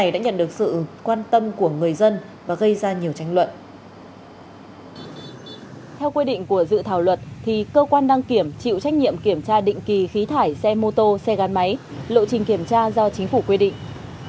để kiểm tra định kỳ khí thải xe mô tô xe gắn máy lộ trình kiểm tra do chính phủ quy định